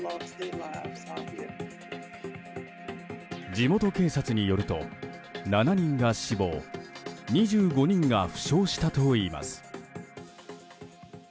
地元警察によると７人が死亡２５人が負傷したといいます。